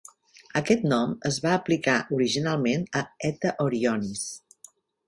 Aquest nom es va aplicar originalment a Eta Orionis.